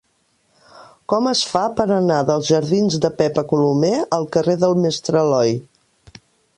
Com es fa per anar dels jardins de Pepa Colomer al carrer del Mestre Aloi?